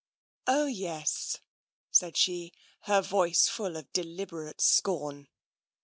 " Oh, yes," said she, her voice full of deliberate scorn.